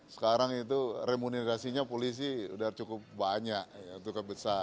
sekarang itu remunerasinya polisi udah cukup banyak